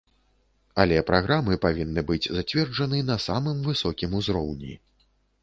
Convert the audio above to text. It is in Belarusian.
Але праграмы павінны быць зацверджаны на самым высокім узроўні.